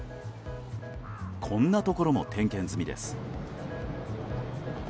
こんなところも点検済みです。